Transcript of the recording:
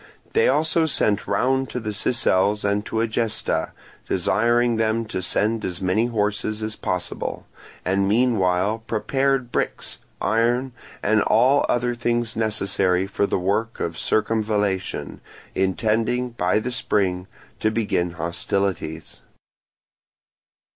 They also sent round to the Sicels and to Egesta, desiring them to send them as many horses as possible, and meanwhile prepared bricks, iron, and all other things necessary for the work of circumvallation, intending by the spring to begin hostilities.